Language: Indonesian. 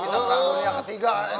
bisa bangun yang ketiga